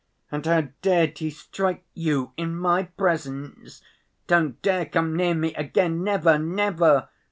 'And how dared he strike you in my presence! Don't dare come near me again, never, never!